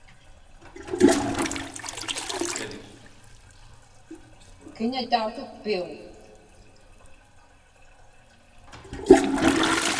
Kiña tautukpiuŋ?